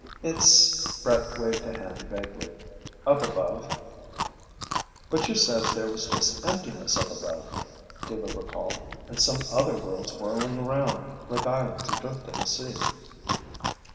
"It's ..." Brett waved a hand vaguely, "up above." "But you said there was just emptiness up above," Dhuva recalled. "And some other worlds whirling around, like islands adrift in the sea."